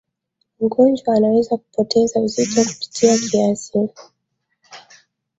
mgonjwa anaweza kupoteza uzito kupita kiasi